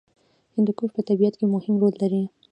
هندوکش په طبیعت کې مهم رول لري.